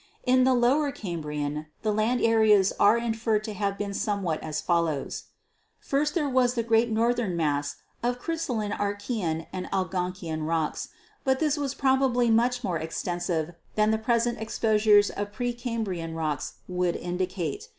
In the Lower Cambrian the land areas are inferred to have been somewhat as follows : First there was the great north ern mass of crystalline Archaean and Algonkian rocks, but this was probably much more extensive than the present exposures of pre Cambrian rocks would indicate.